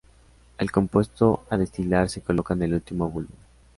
El compuesto a destilar se coloca en el último bulbo.